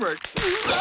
うわ！